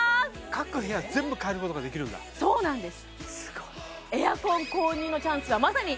各部屋全部かえることができるんだそうなんですすごいただしですね